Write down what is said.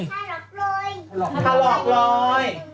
ถลอกล้อย